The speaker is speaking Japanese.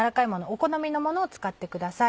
お好みのものを使ってください。